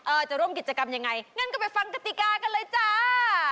จะร่วมกิจกรรมยังไงงั้นก็ไปฟังกติกากันเลยจ้า